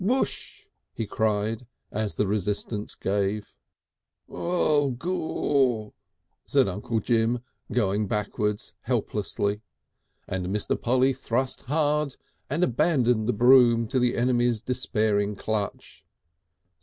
"Woosh!" he cried, as the resistance gave. "Oh! Gaw!" said Uncle Jim, going backward helplessly, and Mr. Polly thrust hard and abandoned the broom to the enemy's despairing clutch.